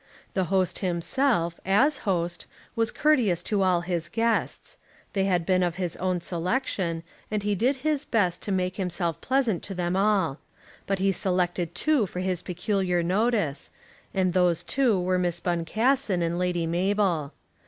The host himself, as host, was courteous to all his guests. They had been of his own selection, and he did his best to make himself pleasant to them all. But he selected two for his peculiar notice, and those two were Miss Boncassen and Lady Mabel.